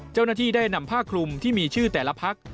เจ้าหน้าที่ได้นำผ้าคลุมที่มีชื่อแต่ละพัก